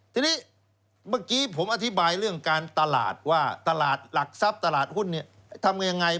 ทีนี้เมื่อกี้ผมอธิบายเรื่องการตลาดว่าตลาดหลักทรัพย์ตลาดหุ้นทำยังไง